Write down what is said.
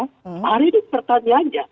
hari ini pertanyaannya